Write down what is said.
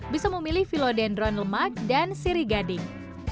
bisa memilih philodendron lemak dan sirigading